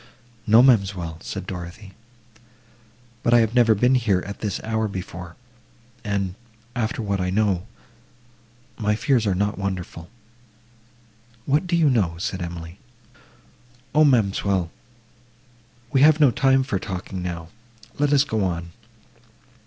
—"No, ma'amselle," said Dorothée, "but I have never been here at this hour before, and, after what I know, my fears are not wonderful."—"What do you know?" said Emily.—"O, ma'amselle, we have no time for talking now; let us go on.